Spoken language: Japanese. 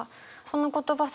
その言葉